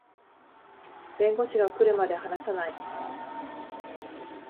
弁護士が来るまで話さない